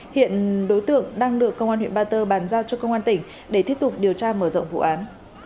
hiện đối tượng đang được công an huyện ba tơ bàn giao cho công an tỉnh để tiếp tục điều tra mở rộng vụ án